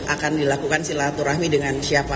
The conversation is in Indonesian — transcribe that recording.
akan dilakukan silaturahmi dengan siapa